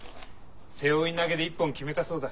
背負い投げで一本決めたそうだ。